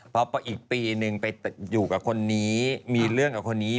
พออีกปีนึงไปอยู่กับคนนี้มีเรื่องกับคนนี้